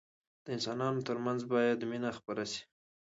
د انسانانو ترمنځ باید مينه خپره سي.